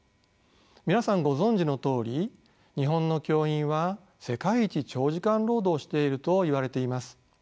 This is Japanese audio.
皆さんご存じのとおり日本の教員は世界一長時間労働しているといわれています。